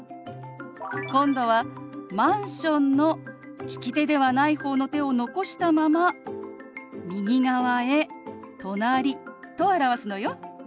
今度は「マンション」の利き手ではない方の手を残したまま右側へ「隣」と表すのよ。